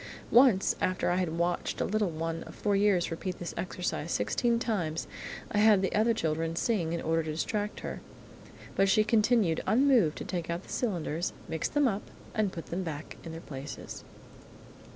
Once, after I had watched a little one of four years repeat this exercise sixteen times, I had the other children sing in order to distract her, but she continued unmoved to take out the cylinders, mix them up and put them back in their places.